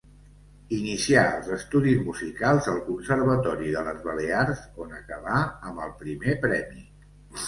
Inicià els estudis musicals al Conservatori de les Balears, on acabà amb el Primer Premi.